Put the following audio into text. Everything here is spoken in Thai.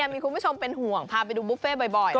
มีคุณผู้ชมเป็นห่วงพาไปดูบุฟเฟ่บ่อย